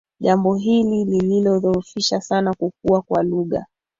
Jambo hili lilidhoofisha sana kukua kwa lugha